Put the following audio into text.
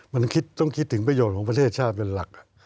มันต้องคิดถึงประโยชน์ของประเทศชาติเป็นหลัก